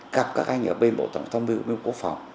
gặp các anh ở bên bộ tổng thống mưu cố phòng